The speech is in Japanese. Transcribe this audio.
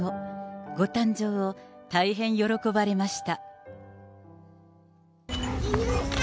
ご誕生を大変喜ばれました。